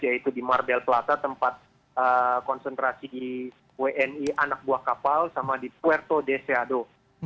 yaitu di mar del plata tempat konsentrasi wni anak buah kapal sama di puerto de seado